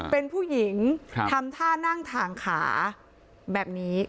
เป็นผู้หญิงทำท่านั่งถ่างขาแบบนี้